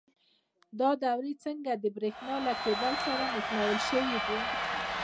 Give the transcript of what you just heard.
دا دورې څنګه د برېښنا له کیبل سره نښلول شوي دي؟